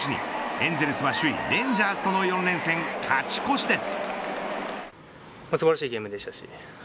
エンゼルスは首位レンジャーズとの４連戦勝ち越しです。